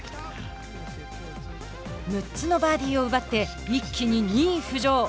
６つのバーディーを奪って一気に２位浮上。